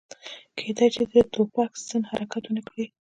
کیدای شي د ټوپک ستن حرکت ونه کړي